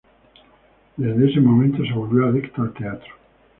Desde ese momento se volvió adicto al teatro.